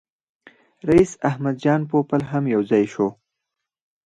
رییس احمد جان پوپل هم یو ځای شو.